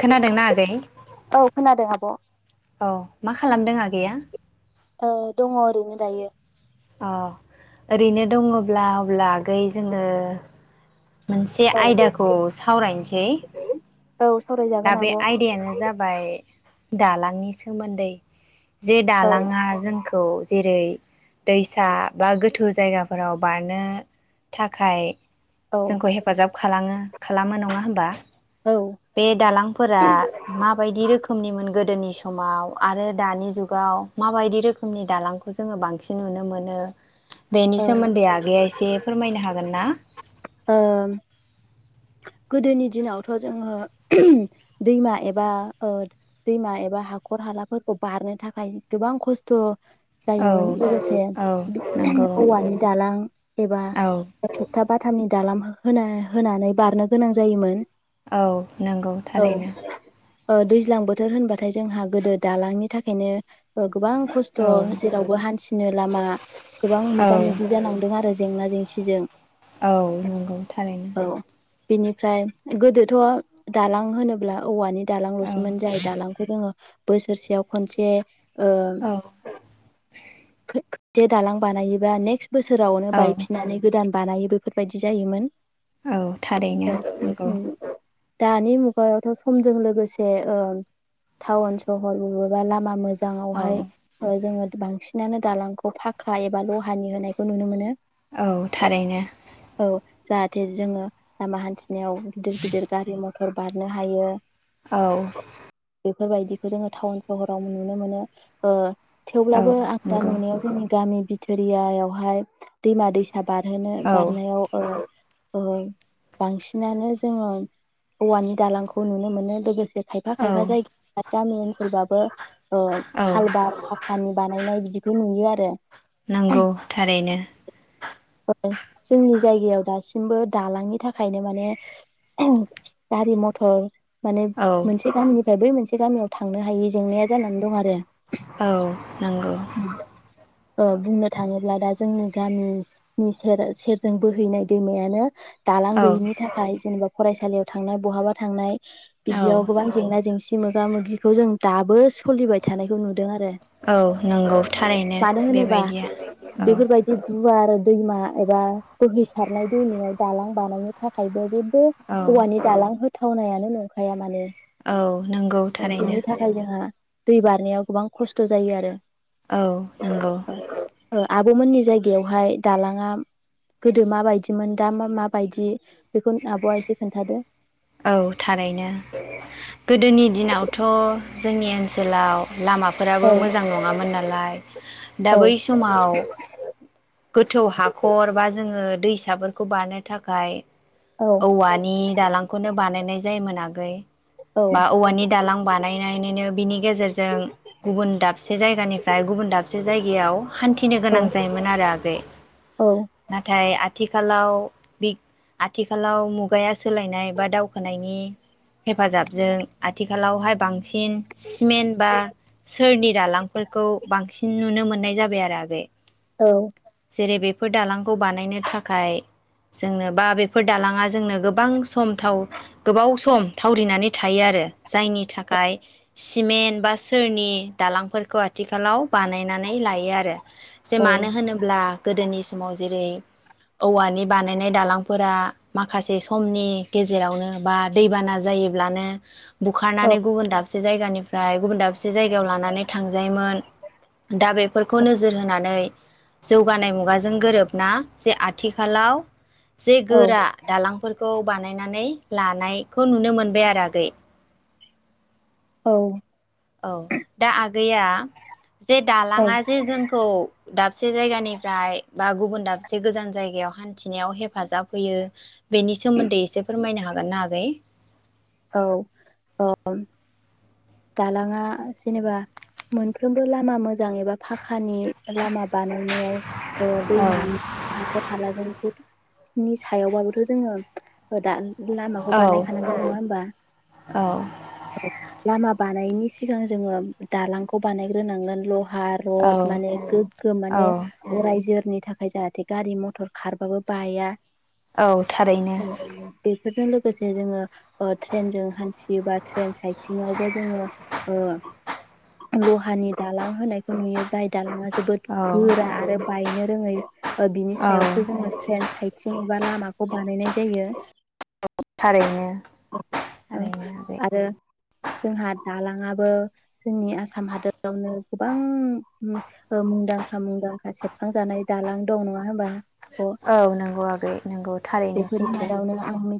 खोनादोंना आगै खोनादों आब'। औ मा खालामदों आगैया ओ दङ ओरैनो दायो अ ओरैनो दङब्ला अब्ला आगै जोङो मोनसे औ आयदाखौ सावरायनोसै औ दा सावरायजागोन बे आब' औ आयदायानो जाबाय दालांनि सोमोन्दै जे औ दालाङा जोंखौ जेरै दैसा बा गोथौ जायगाफोराव बारनो थाखाय औ जोंखौ हेफाजाब खालाङो खालामो नङा होमबा ओ बे दालांफोरा माबायदि रोखोमनिमोन गोदोनि समाव आरो दानि जुगाव माबायदि रोखोमनि दालांखौ जोङो बांसिन नुनो मोनो बेनि ओ सोमोन्दै आगैया एसे फोरमायनो हागोन ना गोदोनि दिनावथ' जोङो दैमा एबा ओ दैमा एबा हाखर हालाफोरखौ बारनो थाखाय गोबां खस्थ' औ जायोमोन लोगोसे औ नंगौ औवानि दालां एबा औ थुबथाब बाथामनि दालां होन होनानै बारनो गोनां जायोमोन औ नंगौ औ थारैनो ओ दैज्लां बोथोर होनबाथाय जोंहा गोदो दालांनि थाखायनो गोबां खस्थ' औ जेरावबो हान्थिनो लामा गोबां औ मोगा मोगि जालांदों आरो जेंना जेंसि दि जों औ नंगौ थारैनो बिनिफ्राय गोदोथ' दालां होनोब्ला औवानि औ दालांल'सोमोन जाय दालांखौ जोङो बोसोरसेयाव खनसे ओ औ जे दालां बानायोबा नेक्स बोसोरावनो औ बायफिननानै गोदान बानायो बेफोरबायदि जायोमोन औ थारैनो नंगौ उम दानि मुगायावथ समजों लोगोसे ओ टाउन सहर बबेबा लामा मोजां औ मोजाङावहाय जोङो बांसिनानो दालांखौ फाखा एबा लहानि होनायखौ नुनो मोनो औ थारैनो औ जाहाथे जोङो लामा हानथिना नायाव गिदिर गिदिर गारि मथर मथर बारनो हायो औ बेफोरबायदिखौ जोङो टाउन सहराव नुनो मोनो ओ औ थेवब्लाबो आं दा नंगौ नुनायाव जोंनि गामि बिथोरियायावहाय दैमा दै सा बारहोनो औ बारनायाव ओ औ बांसिनानो जोङो औवानि दालांखौ नुनो मोनो लोगोसे खायफा औ खायफा जायगा गामि सोरबाबो ओ औ खालबार फाखानि बानायनाय बिदि बेखौ नुयो आरो नंगौ थारैनो जोंनि जायगायाव दासिमबो दालांनि थाखाय खायनो माने गारि मथर माने औ मोनसे गामिनिफ्राय बै मोनसे से गामियाव थांनो हायि जेंनाया जानानै दं आरो औ नंगौ ओ बुंनो थाङो अब्ला दा जोंनि गामिनि सेर सेरजों बोहैनाय दैमायानो औ गैयिनि थाखाय जेनेबा फरायसालियाव थांनाय बहाबा थांनाय औ बिदियाव गोबां जेंना जेंसि मोगा मोगिखौ जों दाबो सो लिबाय थानायखौ नुदों आरो औ नंगौ थारैनो मानो होनोबा बेबायदिया औ बेफोरबायदि गुवार दैमा एबा बोहै सारनाय दैमायाव दालां बानायनो थाखायबो जे। औ औवानि दालां हो थावनायानो नोंखाया माने औ नंगौ थारैनो। बिनि थाखाय जोंहा दै बारनायाव गोबां खस्थ' जायो आरो औ नंगौ। ओ आब'मोननि जायगायावहाय दालाङा गोदो माबायदिमोन दा माबायदि? बेखौ आब'आ एसे खोन्थादो। औ थारैनो गोदोनि। दिनावथ' जोंनि ओनसोलाव लामाफोराबो औ मोजां नङामोन नालाय दा औ बै समाव गोथौ हाखर बा जोङो। दैसाफोरखौ बारनो थाखाय औ औवानि दालां नो बानायनाय जायोमोन आगै। औ बा औवानि दालां बानायनोनो बिनि गेजेरजों गुबुन दाबसे जायगानिफ्राय गुबुन दाबसे जायगायाव हान्थिनो औ गोनां जायोमोन आरो आगै। नाथाय आथिखालाव आथिखालाव मुगाया सोलायनाय एबा दावखोनायनि हेफाजाबजों आथिखालावहाय बां बांसिन सिमेन्ट बा सोरनि दालांफोरखौ बांसिन नुनो मोननाय। जाबाय आरो आगै। औ। जेरै बेफोर दालांखौ बानायनो थाखाय जोंनो बा बेफोर दालाङा जोंनो गोबां सम सम थाव गोबाव सम थावरिनानै थायो आरो जायनि थाखाय सिमेन्ट बा सोरनि दालांफोरखौ आथिखालाव बानायनानै लायो आरो। जे औ मानो होनोब्ला गोदोनि समाव जेरै औवानि बानायनाय दालांफोरा माखासे समनि गेजेरावनो बा दैबाना जायोब्लानो बुखारनानै गुबुन दाबसे जायगानिफ्राय गुबुन दाबसे जायगायाव लानानै थांजायोमोन। दा बेफोरखौ नोजोर होनानै जौगानाय मुगाजों गोरोबना जे आथिखालाव जे औ गोरा दालांफोरखौ बानायनानै लानायखौ नुनो मोनबाय आरो आगै। औ। औ दा आगैया जे दालाङा जे जोंखौ दाबसे जायगानिफ्राय बा गुबुन दाबसे गोजान जायगायाव हान्थिनायाव हेफाजाब होयो बेनि सोमोन्दै एसे फोरमायनो हागोन ना आगै? औ औ। दालाङा जेनेबा मोनफ्रोमबो लामा मोजां एबा फाख खानि लामा बानायनायाव ओ औ दैमा हाखर-हालाजों। नि सायावबाबोथ' जोङो दा लामाखौ औ बानायखानांगौ नङा होमबा? औ बानायनि सिगां जोङो दालांखौ बानायग्रोनांगोन ल हा रत माने औ गोग्गो औ माने रायजो नि थाखाय जाहाथे गारि मथर खारबाबो बाया औ थारैनो फोरजों लोगोसे जोङो ओ ट्रेनजों हान्थियो बा ट्रेन साइ सिङावबो जोङो ओ लहानि दालां होनायखौ नुयो जाय दालाङा जों जोबोद औ गोरा आरो बायनो रोङै ओ बिनि औ सायावसो जोङो ट्रेन साइथिं बा लामाखौ बानायनाय जायो थारैनो ओ थारैनो आगै आरो जोंहा दालाङाबो जोंनि आसाम हादरावनो गोबां ओ मुंदांखा मुंदांखा सेबखांजानाय दालां दं नङा हबा औ नंगौ आगै नंगौ थारैनोसैथो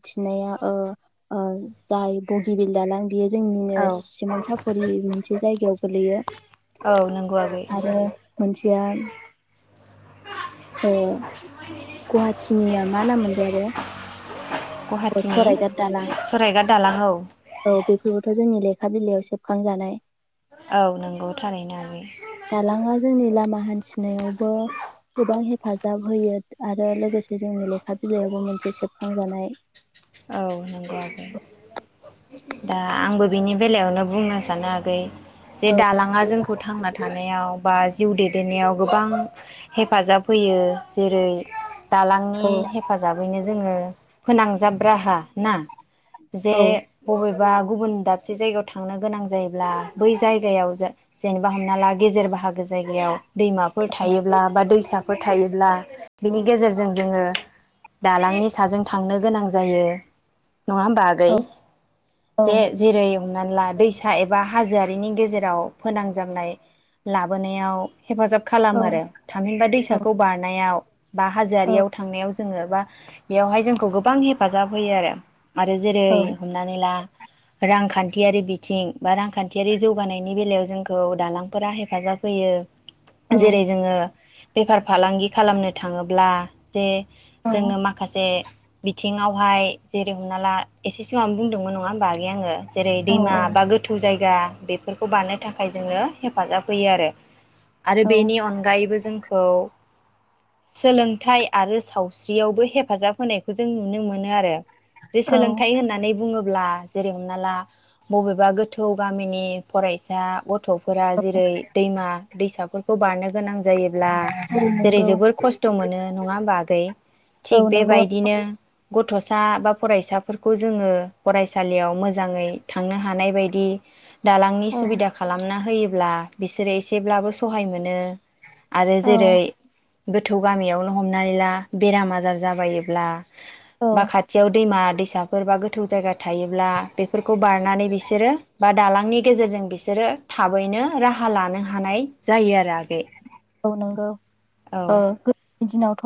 नाया ओ ओ जाय बगिबिल दालां बियो औ जोंनिनो सिमोन साफरि मोनसे जायगायाव गोलैयो औ नंगौ आगै आरो मोनसे या अ गुहाथिनि आ मा नाममोन गुवाहाटीनि सरायघाट दालां सरायगाद दालां औ औ बेफोरबोथ' जोंनि लेखा बिलाइयाव सेबखांजानाय औ नंगौ थारैनो आगै दालाङा जोंनि लामा हान्थिनायावबो गोबां हे हेफाजाब होयो आरो लोगोसे जों लेखा बिलायावबो सेबखांजानाय औ नंगौ आगै दा आंबो बिनि बेलायावनो बुंनो सानो आगै जे औ दालाङा जोंखौ थांना थानायाव बा जिउ दैदेननायाव गोबां हेफाजाब होयो जेरै दालांनि औ हेफाजाबैनो जोङो फोनां राहा ना जे औ बबेबा गुबुन दा साबसे जायगायाव थांनोगोनां जायो ब्ला बै जायगायाव जेनेबा हमना ला गेजेर बाहागो जायगायाव दैमाफोर थायोब्ला बा दैसाफोर थायोब्ला बिनि गेजेरजों जोङो दालांनि साजों थांनो गोनां जायो नङा होमबा आगै औ जे जेरै हमनानै ला दैसा एबा हाजोआरिनि गेजेराव फोनांजाबनाय लाबोनायाव हेफाजाब औ खालामो आरो थामहिनबा औ दैसाखौ बारनायाव बा औ हाजोआारियाव थांनायाव जोङो बा बेयावहाय जोंखौ गोबां हेप हेफाजाब होयो आरो आरो जेरै औ हमनानै ला रांखान्थियारि बिथिं बा रांखान्थियारि जौगानायनि बेलायाव जोंखौ दालांफोरा हेफाजाब होयो जेरै जोङो बेफार फालांगि खालामनो थाङोब्ला जे जोंनो माखासे बिथिङावहाय जेरै हमना ला एसे सिगांवनो बुंदोंमोन नङा होमबा आगै आङो जेरै औ दैमा बा गोथौ जायगा बेफोरखौ बारनो थाखाय जोङो हेफाजाब होयो आरो आरो औ बेनि अनगायैबो जोंखौ सोलोंथाइ आरो सावस्रियावबो हेफाजाब होनायखौ जों नुनो मोनो आरो जे सोलोंथाइ औ होननानै बुङोब्ला जेरै हमना ला बबेबा गोथौ गामिनि फरायसा गथ' फोरा जेरै दैमा दैसाफोरखौ बारनो गोनां जायो ब्ला जेरै नंगौ जोबोर खस्थ' मोनो नङा होनबा आगै औ थिग नंगौ बेबायदिनो गथ'सा बा फरायसाफोरखौ जोङो फरायसालियाव मोजाङै थांनो हानाय बायदि दालांनि औ सुबिदा खालामना होयोब्ला बिसोरो एसेब्लाबो सहाय मोनो आरो जेरै औ गोथौ गामियावनो हमनानै ला बेराम आजार जाबायोब्ला बा खाथियाव दैमा दैसाफोर बा गोथौ थुजागाथ थायोब्ला बेफोरखौ बारनानै बिसोरो बा दालांनि गेजेरजों बिसोरो थाबैनो राहा लानो हानाय जायो आरो आगै औ नंगौ औ ओ बिदिनावथ'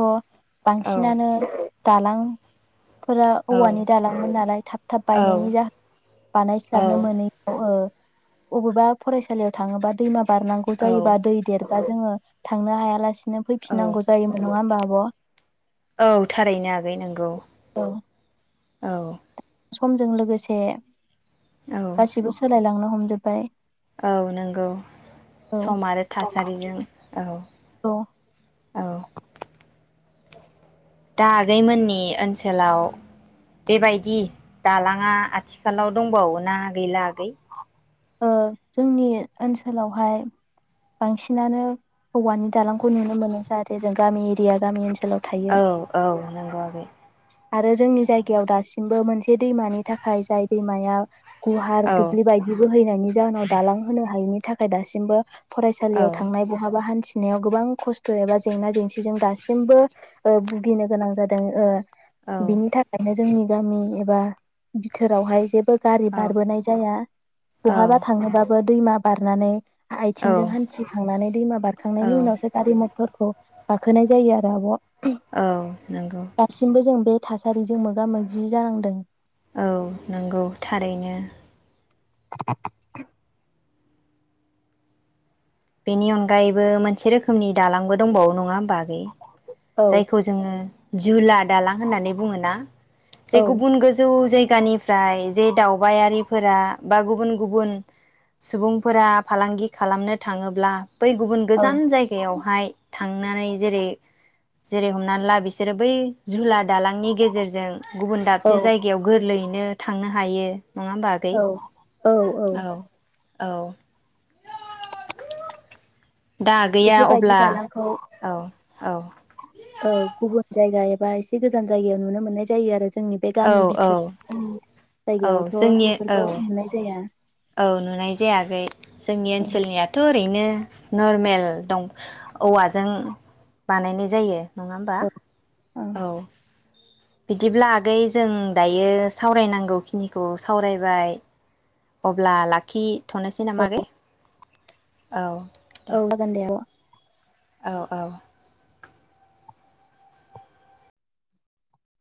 औ बांसिनानो दालां फोरा औ औवानि दालांमोन नालाय थाब थाब बायनायनि जाहोनाव बानायस्लाबनो मोनैयाव ओ बबेबा फरायसालियाव थाङोबा दैमा बारनांगौ औ जायोबा दै देर दा जोङो‌। थांनो हायालासे। नो औ फैफिनांगौ जायोमोन नङा होमबा आब'? औ थारैनो आगै नोंगौ। औ औ समजों लोगोसे औ गासिबो सोलायलांनो हमजोबबाय। औ नंगौ सम आरो थासारिजों औ औ औ। दा आगैमोननि ओनसोलाव बेबायदि दालाङा आथिखालाव दंबावो ना गैला‌ आगै? ओ जोंनि ओनसोलावहाय बांसिनानो औवानि दालांखौ नुनो मोनो जाहाथे जों गामि एरिया गामि ओनसोल औ औ नोंगौ आगै। आरो जोंनि जायगायाव दासिम। दासिमबो मोनसे दैमानि थाखाय जाय दैमाया गुवार औ दुब्लि बायदिबो हैनायनि जाहोनाव दालां होनो हायिनि नि थाखाय दासिमबो औ फरायसालियाव थांनाय बहाबा हान्थि नायाव गोबां खस्थ एबा जेंना जेंसिजों दासिमबो ओ भुगिनो गोनां जादों ओ। औ बिनि थाखायनो। जोंनि गामि एबा बिथोरावहाय जेबो। गारि औ बारबोनाय जाया बहाबा औ थांनोबाबो दैमा बारनानै औ आथिंजों हान्थिखांनानै दैमा औ बारखांनायनि उनावसो गारि मथर गाखोनाय जायो आरो आब'। औ नोंगौ। दासिमबो जों बे थासारिजों मोगा मोगि जानांदों। औ नोंगौ थारैनो। [inaudible] बेनि अनगायैबो मोनसे रोखोमनि दालांबो दंबावो नङा होमबा आगै। औ जायखौ जोङो जुनार दालां होननानै बुङो ना जे औ गुबुन गोजौ जायगानिफ्राय जे दावबायारि फोरा बा गुबुन गुबुन सुबुंफोरा फालांगि खालामनो थाङोब्ला बै गुबुन औ गोजान जायगायावहाय थां थांनानै जेरै जेरै हमनानै ला बिसोरो बै जुनार दालांनि गेजेरजों गुबुन औ दाबसे जायगायाव गोरलैनो बिनो थांनो हायो। नङा होमबा आगै? औ औ औ औ [unintelligible] दा आगैया बेफोरबायदि अब्ला औ औ औ गुबुन जायगा एबा एसे गोजान जायगायाव नुनो मोननाय जायो आरो जों जोंनि बे औ गामि औ बिथोरनि जोंनि औ जायगायावथ' जोंनि बेफोरखौ औ नुनाय जाया। औ नुनाय जायाखै जोंनि औ ओनसोलनियाथ' ओरैनो। ओ नरमेल दं औवाजों बानायनाय जायो। नङा होमबा औ औ। बिदिब्ला आगै जों दायो सावरायनांगौ खिनिखौ सावरायबाय अब्ला लाखि थ'नोसै नामा आगै? औ। औ जागोन दे आब'। औ औ